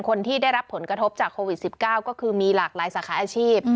คนที่ได้รับผลกระทบจากโควิด๑๙ก็คือมีหลากหลายสาขาอาชีพ